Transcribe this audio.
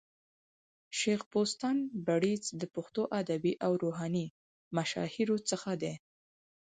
شېخ بُستان بړیڅ د پښتو ادبي او روحاني مشاهيرو څخه دئ.